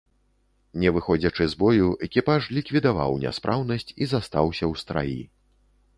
Не выходзячы з бою, экіпаж ліквідаваў няспраўнасць і застаўся ў страі.